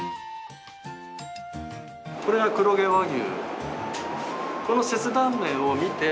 これが黒毛和牛。